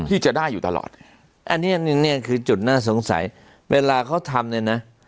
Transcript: ที่จะได้อยู่ตลอดอันเนี้ยเนี้ยเนี้ยคือจุดน่าสงสัยเวลาเขาทำเลยนะ